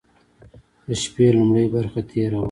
د شپې لومړۍ برخه تېره وه.